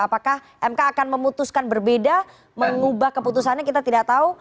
apakah mk akan memutuskan berbeda mengubah keputusannya kita tidak tahu